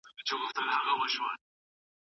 بهرنۍ پالیسي د ملتونو د ژوند کچه اغیزمنوي.